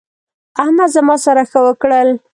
احمد زما سره ښه وکړل.